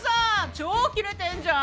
超キレてんじゃん！